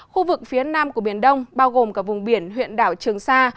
khu vực phía nam của biển đông bao gồm cả vùng biển huyện đảo trường sa